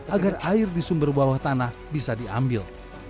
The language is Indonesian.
agar air di sumber bawah tanah bisa diambil